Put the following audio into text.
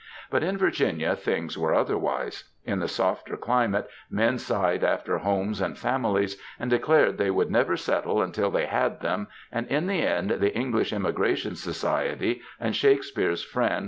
But in Virginia things were otherwise. In the softer climate men sighed after homes and families, and declared they would never settle until they had them, and in the end the English Emigration Society and Shakespeare^s friend.